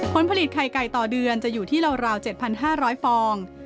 ผลผลิตไข่ไก่ต่อเดือนจะอยู่ที่ราว๗๕๐๐ฟอง